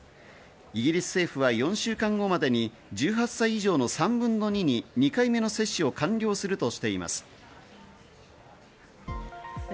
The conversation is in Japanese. イギリス政府は４週間後までに１８歳以上の３分の２に２回目の接種を完了するとしています。